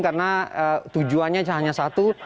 karena tujuannya hanya satu